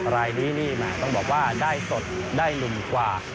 รายนี้นี่แหมต้องบอกว่าได้สดได้หนุ่มกว่า